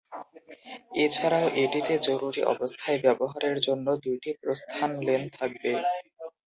এছাড়াও এটিতে জরুরী অবস্থায় ব্যবহারের জন্য দুইটি প্রস্থান লেন থাকবে।